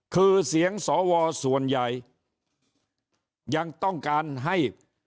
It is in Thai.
คือเสียงสวส่วนใหญ่ยังต้องการให้